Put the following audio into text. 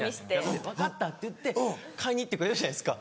「分かった」って言って買いに行ってくれるじゃないですか。